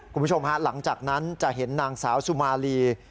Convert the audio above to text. คุณผู้ชมฮะหลังจากนั้นจะเห็นนางสาวสุมาลี